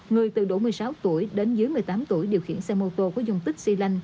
người từ đủ một mươi sáu tuổi đến dưới một mươi tám tuổi điều khiển xe mô tô có dùng tích xy lanh